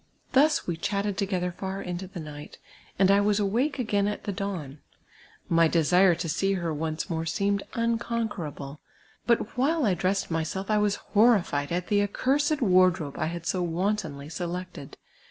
Thus we chatted together far into the night, and I was awake again at the da^^^l. ^ly desire to see her once more seemed unconquerable ; but while I dressed myself, I was horrified at the accursed wardrobe I had so wantonly selected.